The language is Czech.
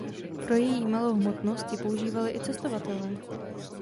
Pro její malou hmotnost ji používali i cestovatelé.